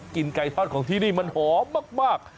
ไก่ทอดของที่นี่มันหอมมาก